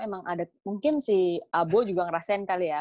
emang ada mungkin si abo juga ngerasain kali ya